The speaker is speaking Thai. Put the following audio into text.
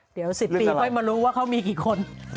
เดี๋ยว๑๐ปีค่อยมารู้ว่าเขามีกี่คน